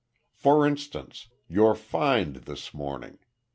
For instance your find this morning.